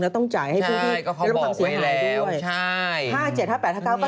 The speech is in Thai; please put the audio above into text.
แล้วต้องจ่ายให้ผู้ที่รับภังศีลหายด้วยใช่ก็เขาบอกไว้แล้วใช่